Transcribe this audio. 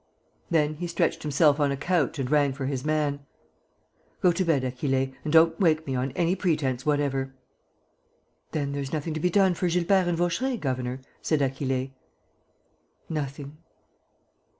Then he stretched himself on a couch and rang for his man: "Go to bed, Achille, and don't wake me on any pretence whatever." "Then there's nothing to be done for Gilbert and Vaucheray, governor?" said Achille. "Nothing."